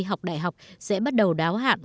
học đại học sẽ bắt đầu đáo hạn